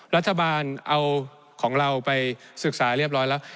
รัฐบาลเอาของเราไปศึกษาเรียบร้อยแล้ว